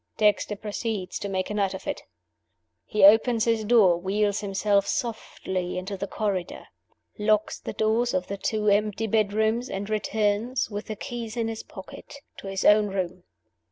Dexter proceeds to make a night of it. He opens his door; wheels himself softly into the corridor; locks the doors of the two empty bedrooms, and returns (with the keys in his pocket) to his own room.